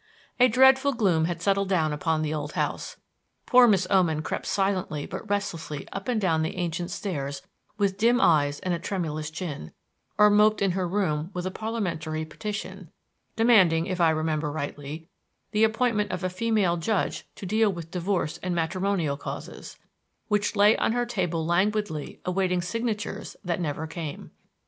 A dreadful gloom had settled down upon the old house. Poor Miss Oman crept silently but restlessly up and down the ancient stairs with dim eyes and a tremulous chin, or moped in her room with a parliamentary petition (demanding, if I remember rightly, the appointment of a female judge to deal with divorce and matrimonial causes) which lay on her table languidly awaiting signatures that never came.